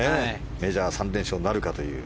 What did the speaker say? メジャー３連勝なるかという。